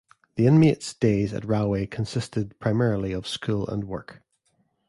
The inmates' days at Rahway consisted primarily of school and work.